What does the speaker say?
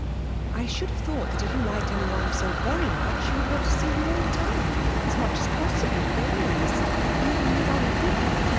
'I should have thought that if you liked anyone so very much, you would want to see them all the time, as much as possible, always even with other people...